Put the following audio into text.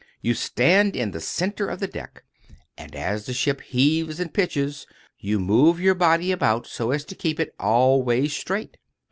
You stand in the centre of the deck, and, as the ship heaves and pitches, you move your body about, so as to keep it always straight.